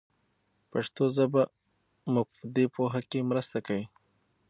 پښتو ژبه مو په دې پوهه کې مرسته کوي.